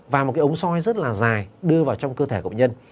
và một cái ống soi rất là dài đưa vào trong cơ thể của bệnh nhân